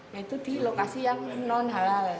yaitu di lokasi yang non halal